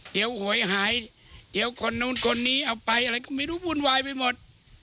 เดี๋ยวหวยหายเดี๋ยวคนนู้นคนนี้เอาไปอะไรก็ไม่รู้วุ่นวายไปหมด